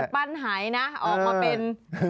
การปั้นหายนะออกมาเป็น